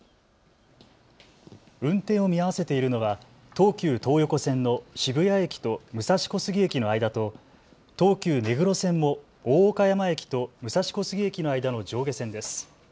運転を見合わせているのは東急東横線の渋谷駅と武蔵小杉駅の間と東急目黒線も大岡山駅と武蔵小杉駅の間の上下線です。